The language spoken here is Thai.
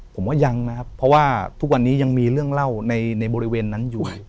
ผมว่ายังนะครับเพราะว่าทุกวันนี้ยังมีเรื่องเล่าในบริเวณนั้นอยู่